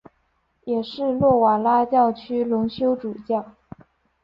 也是诺瓦拉教区荣休主教。